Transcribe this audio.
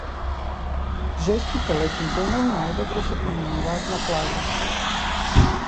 Жешките летни денови најдобро се поминуваат на плажа.